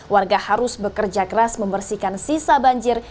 warga harus bekerja keras membersihkan sisa banjir